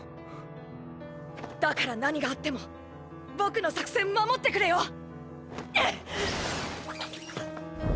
だから何があっても僕の作戦守ってくれよ